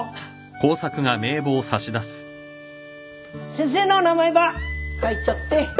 先生の名前ば書いちょって。